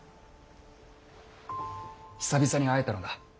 久々に会えたのだ。